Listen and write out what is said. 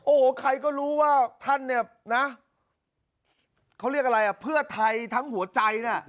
โอ้โหใครก็รู้ว่าท่านเนี่ยนะเขาเรียกอะไรอ่ะเพื่อไทยทั้งหัวใจน่ะ